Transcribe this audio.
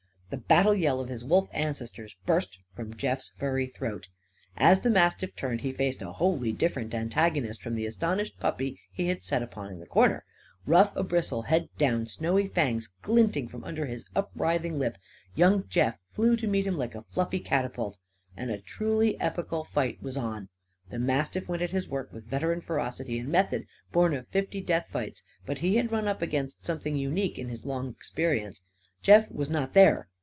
The battle yell of his wolf ancestors burst from Jeff's furry throat. As the mastiff turned he faced a wholly different antagonist from the astonished puppy he had set upon in the corner. Ruff abristle, head down, snowy fangs glinting from under his upwrithing lip, young Jeff flew to meet him like a fluffy catapult. And a truly epochal fight was on. The mastiff went at his work with veteran ferocity and method, born of fifty death fights. But he had run up against something unique in his long experience. Jeff was not there.